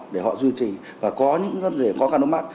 để họ duy trì và có những vấn đề khó khăn ống mắt